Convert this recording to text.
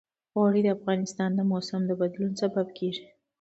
اوړي د افغانستان د موسم د بدلون سبب کېږي.